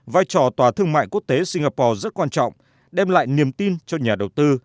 vai trò tòa thương mại quốc tế singapore rất quan trọng đem lại niềm tin cho nhà đầu tư